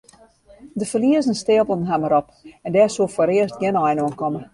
De ferliezen steapelen har mar op en dêr soe foarearst gjin ein oan komme.